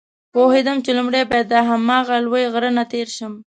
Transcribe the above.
پوهېدم چې لومړی باید له هماغه لوی غره نه تېر شم.